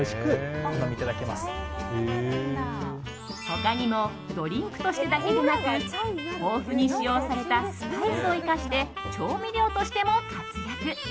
他にもドリンクとしてだけでなく豊富に使用されたスパイスを生かして調味料としても活躍。